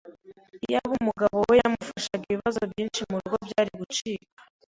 Iyaba umugabo we yamufashaga, ibibazo byinshi murugo byari gucika.